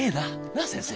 なあ先生。